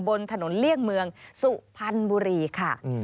บนถนนเลี่ยงเมืองสุพรรณบุรีค่ะ